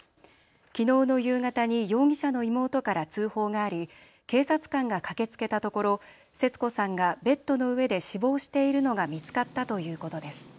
きのうの夕方に容疑者の妹から通報があり警察官が駆けつけたところ節子さんがベッドの上で死亡しているのが見つかったということです。